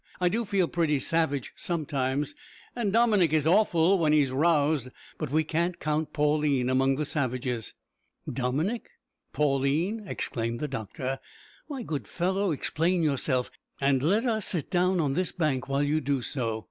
"I do feel pretty savage sometimes, and Dominick is awful when he is roused; but we can't count Pauline among the savages." "Dominick! Pauline!" exclaimed the doctor. "My good fellow, explain yourself, and let us sit down on this bank while you do so.